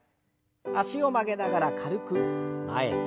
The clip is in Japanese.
脚を曲げながら軽く前に。